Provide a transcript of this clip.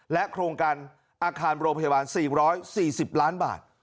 โครงการอาคารโรงพยาบาล๔๔๐ล้านบาท